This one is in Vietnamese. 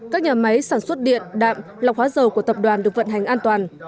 các nhà máy sản xuất điện đạm lọc hóa dầu của tập đoàn được vận hành an toàn